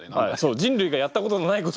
人類がやったことのないことを。